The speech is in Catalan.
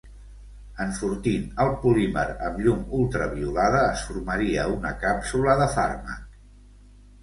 Enfortint el polímer amb llum ultraviolada es formaria una càpsula de fàrmac.